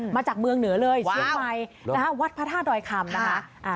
มาจากเมืองเหนือเลยเฉียงใหม่วัดพระท่าดอยคำ